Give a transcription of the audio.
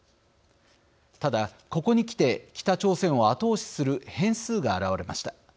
ただ、ここにきて北朝鮮を後押しする変数が現れました。